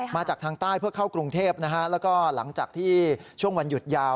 มาจากทางใต้เพื่อเข้ากรุงเทพนะฮะแล้วก็หลังจากที่ช่วงวันหยุดยาว